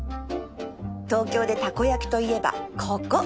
東京でたこ焼きといえばここ